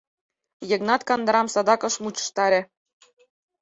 Йыгнат кандырам садак ыш мучыштаре.